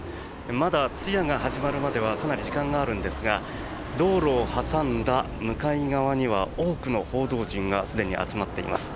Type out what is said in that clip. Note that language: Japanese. まだ通夜が始まるまではかなり時間があるんですが道路を挟んだ向かい側には多くの報道陣がすでに集まっています。